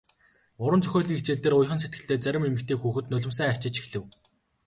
Уран зохиолын хичээл дээр уяхан сэтгэлтэй зарим эмэгтэй хүүхэд нулимсаа арчиж эхлэв.